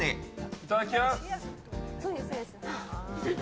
いただきます。